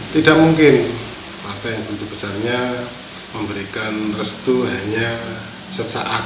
tidak mungkin partai yang begitu besarnya memberikan restu hanya sesaat